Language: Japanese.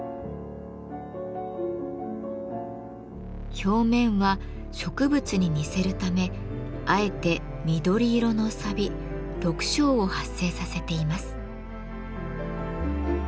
表面は植物に似せるためあえて緑色のさび緑青を発生させています。